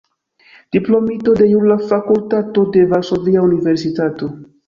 Diplomito de Jura Fakultato de Varsovia Universitato.